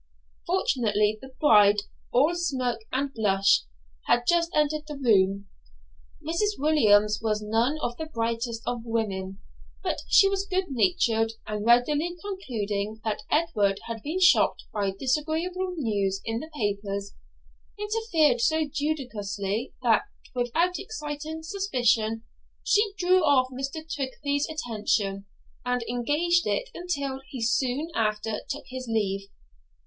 Fortunately the bride, all smirk and blush, had just entered the room. Mrs. Williams was none of the brightest of women, but she was good natured, and readily concluding that Edward had been shocked by disagreeable news in the papers, interfered so judiciously, that, without exciting suspicion, she drew off Mr. Twigtythe's attention, and engaged it until he soon after took his leave.